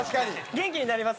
元気になります